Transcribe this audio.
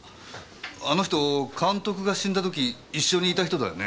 あの人監督が死んだとき一緒にいた人だよね？